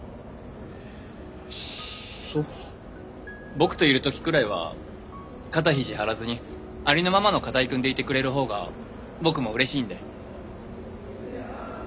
僕といる時くらいは肩肘張らずにありのままの片居くんでいてくれる方が僕もうれしいんで。